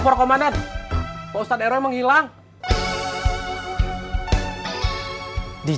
pertama tama kita buang g verbs dari tv